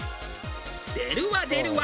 出るわ出るわ！